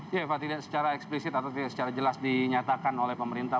ya eva tidak secara eksplisit atau tidak secara jelas dinyatakan oleh pemerintah